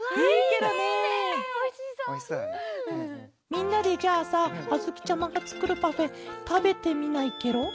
みんなでじゃあさあづきちゃまがつくるパフェたべてみないケロ？